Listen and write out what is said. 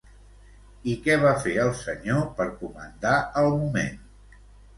I què va fer el senyor per comandar el moment?